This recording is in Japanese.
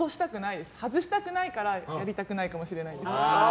外したくないからやりたくないかもしれないです。